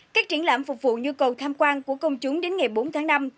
các triển lãm phục vụ nhu cầu tham quan của công chúng đến ngày bốn tháng năm